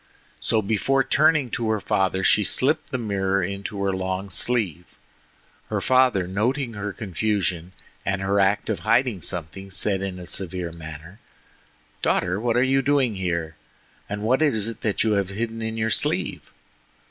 So before turning to her father she slipped the mirror into her long sleeve. Her father noting her confusion, and her act of hiding something, said in a severe manner: "Daughter, what are you doing here? And what is that that you have hidden in your sleeve?"